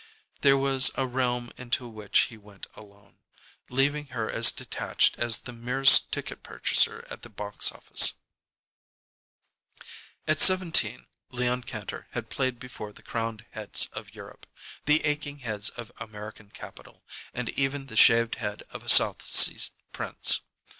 There was a realm into which he went alone, leaving her as detached as the merest ticket purchaser at the box office. At seventeen Leon Kantor had played before the crowned heads of Europe, the aching heads of American capital, and even the shaved head of a South Sea prince.